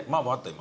今。